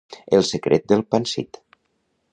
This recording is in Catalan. El secret del Pansit.